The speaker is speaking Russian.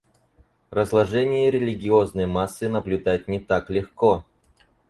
Разложение религиозной массы наблюдать не так легко.